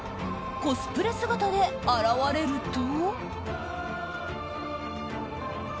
コスプレ姿で現れると。